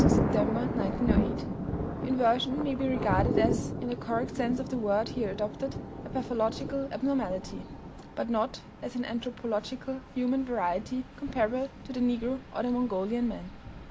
Sept., 1908); inversion may be regarded as (in the correct sense of the word here adopted) a pathological abnormality, but not as an anthropological human variety comparable to the Negro or the Mongolian man.